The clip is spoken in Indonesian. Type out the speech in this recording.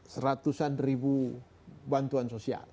seratusan ribu bantuan